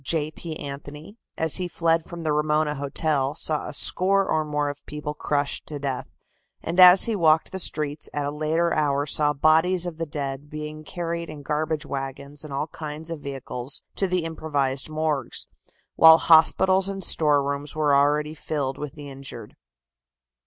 J. P. Anthony, as he fled from the Ramona Hotel, saw a score or more of people crushed to death, and as he walked the streets at a later hour saw bodies of the dead being carried in garbage wagons and all kinds of vehicles to the improvised morgues, while hospitals and storerooms were already filled with the injured.